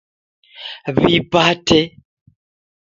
Wipate